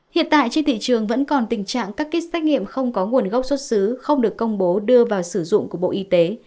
hiện tại trên thị trường vẫn còn tình trạng các kit xét nghiệm không có nguồn gốc xuất xứ không được công bố đưa vào sử dụng của bộ y tế